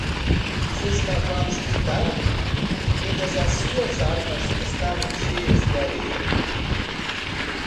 Seus cavalos gritaram? e todas as suas armas estavam cheias de areia.